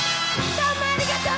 どうもありがとう。